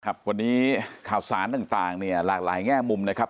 ครับวันนี้ข่าวสารต่างเนี่ยหลากหลายแง่มุมนะครับ